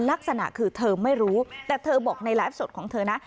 ลักษณะคือเธอไม่รู้แต่เธอบอกในไลฟ์สดของเธอนะ